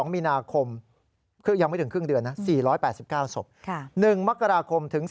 ๑๑๒มีนาคมยังไม่ถึงครึ่งเดือนนะ๔๘๙ศพ